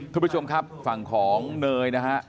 คุณผู้ชมครับฝั่งของเนยนะฮะ